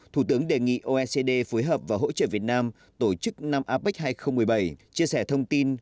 thủ tướng đề nghị oecd phối hợp và hỗ trợ việt nam tổ chức năm apec hai nghìn một mươi bảy chia sẻ thông tin